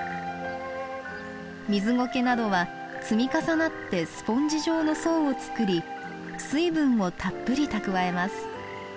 ミズゴケなどは積み重なってスポンジ状の層を作り水分をたっぷり蓄えます。